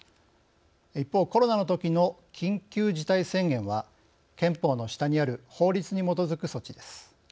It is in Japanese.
一方、コロナのときの「緊急事態宣言」は憲法の下にある法律に基づく措置です。